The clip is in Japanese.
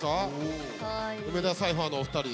梅田サイファーのお二人。